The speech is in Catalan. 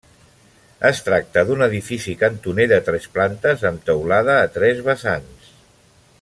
Es tracta d'un edifici cantoner de tres plantes amb teulada a tres vessants.